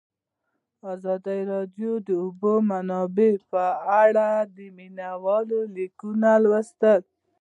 ازادي راډیو د د اوبو منابع په اړه د مینه والو لیکونه لوستي.